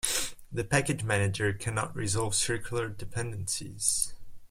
The package manager cannot resolve circular dependencies.